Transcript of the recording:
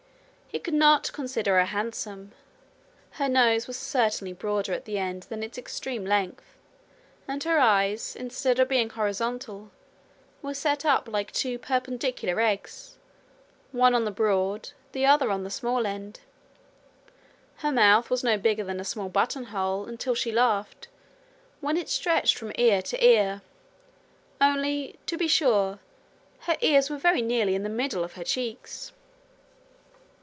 He could not consider her handsome. Her nose was certainly broader at the end than its extreme length, and her eyes, instead of being horizontal, were set up like two perpendicular eggs, one on the broad, the other on the small end. Her mouth was no bigger than a small buttonhole until she laughed, when it stretched from ear to ear only, to be sure, her ears were very nearly in the middle of her cheeks.